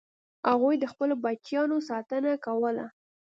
هغوی د خپلو بچیانو ساتنه کوله.